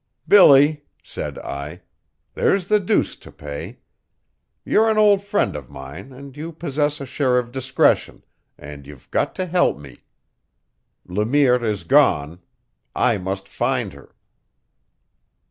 "Billy," said I, "there's the deuce to pay. You're an old friend of mine, and you possess a share of discretion, and you've got to help me. Le Mire is gone. I must find her."